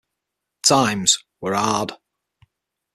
Times were hard.